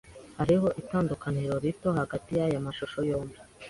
Hariho itandukaniro rito hagati yaya mashusho yombi.